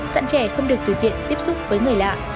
sẵn trẻ không được tùy tiện tiếp xúc với người lạ